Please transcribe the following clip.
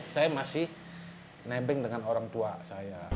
saya masih nembeng dengan orang tua saya